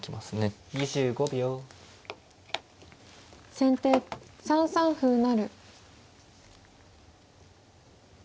先手３三歩成。